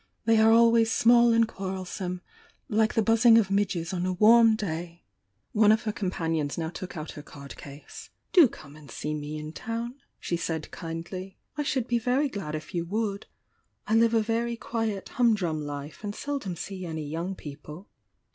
They are always small and quarrelsome, — like the buzzing of midges on a warm day I" One of her companions now took out her card case. "Do come and see me in town!" she said kindly — "I should be very glad if you would. I live a very quiet hum drum life and seldom see any young peo ple."